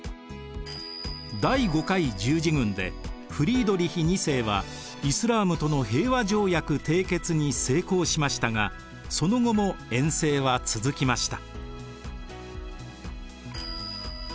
第５回十字軍でフリードリヒ２世はイスラームとの平和条約締結に成功しましたがその後も遠征は続きました。